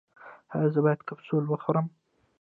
ایا زه باید کپسول وخورم؟